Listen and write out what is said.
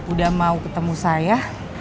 udah mau ketemu saya